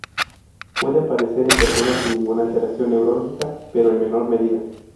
Puede aparecer en personas sin ninguna alteración neurológica pero en menor medida.